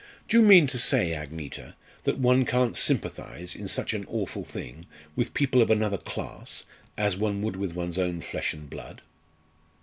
"Do you mean to say, Agneta, that one can't sympathise, in such an awful thing, with people of another class, as one would with one's own flesh and blood?"